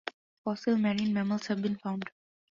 Fossil marine mammals have been found.